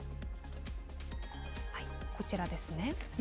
こちらですね。